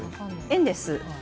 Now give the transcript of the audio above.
円です。